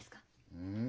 うん？